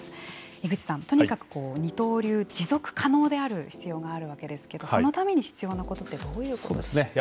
井口さんとにかく二刀流持続可能である必要があるわけですけどそのために必要なことってどういうことでしょうか。